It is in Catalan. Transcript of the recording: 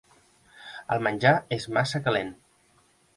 El menjar és massa calent.